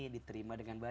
diterima dengan baik